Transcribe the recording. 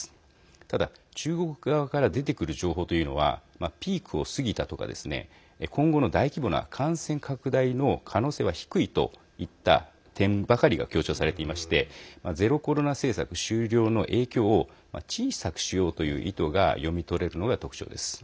ただ、中国側から出てくる情報というのはピークを過ぎたとかですね今後の大規模な感染拡大の可能性は低いといった点ばかりが強調されていましてゼロコロナ政策終了の影響を小さくしようという意図が読み取れるのが特徴です。